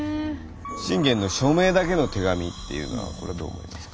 信玄の署名だけの手紙っていうのはこれはどう思いますか？